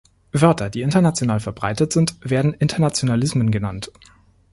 Wörter, die international verbreitet sind, werden Internationalismen genannt.